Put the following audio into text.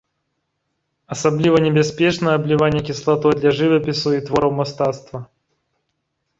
Асабліва небяспечна абліванне кіслатой для жывапісу і твораў мастацтва.